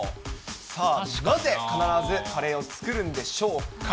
さあ、なぜ必ずカレーを作るんでしょうか。